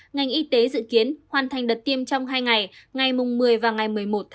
ngành y tế dự kiến hoàn thành đợt tiêm trong hai ngày ngày một mươi một mươi một một mươi một